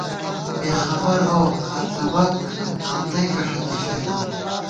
بېخبر اؤ ہَڅَبَک آں تئیکہ ݭَڅی فېدِبوم